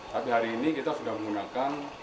tapi hari ini kita sudah menggunakan